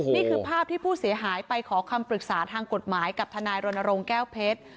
นี่คือภาพที่ผู้เสียหายไปขอคำปรึกษาทางกฎหมายกับทนายรณรงค์แก้วเพชร